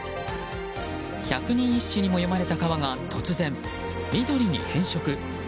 百人一首にも詠まれた川が突然、緑に変色。